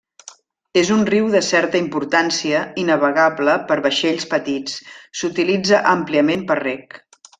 És un riu de certa importància i navegable per vaixells petits; s'utilitza àmpliament per reg.